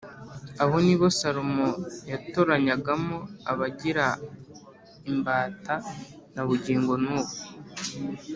abo ni bo Salomo yatoranyagamo abagira imbata na bugingo n’ubu